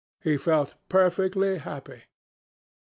He felt perfectly happy.